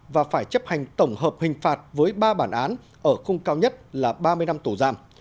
và phải chấp hành tổng hợp hình phạt với ba bản án ở khung cao nhất là ba mươi năm tù giam